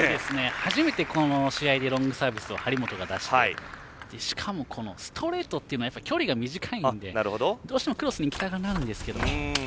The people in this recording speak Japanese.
初めて、この試合でロングサービスを張本が出してしかも、ストレートというのは距離が短いので、どうしてもクロスにいきたくなるんですけど。